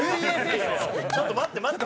ちょっと待って待って。